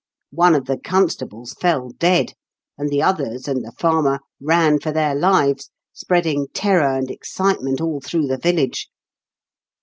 One of the constables fell dead, and the others, and the farmer, ran for their lives, spreading terror and excitement all through the village.